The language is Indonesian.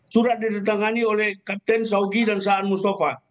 surat didetangani oleh kapten saugi dan sahan mustafa